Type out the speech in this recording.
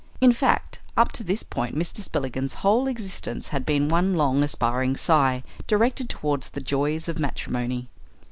In fact, up to this point Mr. Spillikins's whole existence had been one long aspiring sigh directed towards the joys of matrimony.